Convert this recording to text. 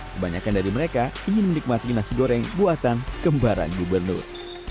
kebanyakan dari mereka ingin menikmati nasi goreng buatan kembaran gubernur